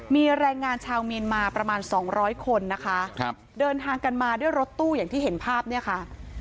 มีแรงงานชาวเมียนมาประมาณสองร้อยคนนะคะครับเดินทางกันมาด้วยรถตู้อย่างที่เห็นภาพเนี่ยค่ะ